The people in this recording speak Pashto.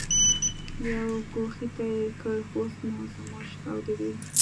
یوې ګوښې ته یې کړ، اوس نو زموږ او د دوی.